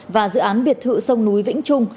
và dự án biệt thự sông núi vĩnh trung